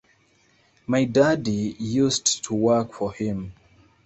My daddy used to work for him.